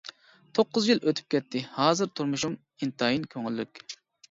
توققۇز يىل ئۆتۈپ كەتتى، ھازىر تۇرمۇشۇم ئىنتايىن كۆڭۈللۈك.